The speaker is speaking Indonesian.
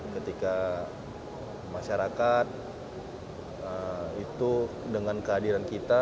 ketika masyarakat itu dengan kehadiran kita